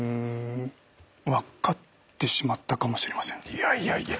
いやいやいや。